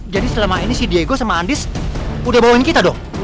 jadi selama ini si diego sama andis udah bawain kita dong